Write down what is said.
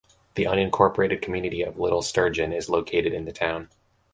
The unincorporated community of Little Sturgeon is located in the town.